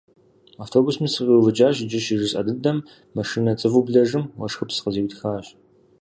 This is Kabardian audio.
Автобусым сыкъиувыкӏащ иджы щыжысӏэ дыдэм машинэ цӏыву блэжым уэшхыпс къызиутхащ.